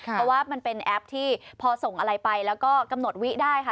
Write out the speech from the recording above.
เพราะว่ามันเป็นแอปที่พอส่งอะไรไปแล้วก็กำหนดวิได้ค่ะ